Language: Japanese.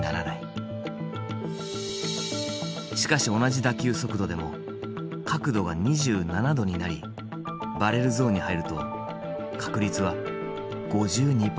しかし同じ打球速度でも角度が２７度になりバレルゾーンに入ると確率は５２％に跳ね上がる。